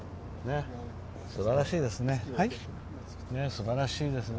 すばらしいですね。